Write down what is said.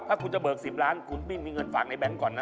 ถ้าคุณจะเบิก๑๐ล้านคุณไม่มีเงินฝากในแงงก่อนนะ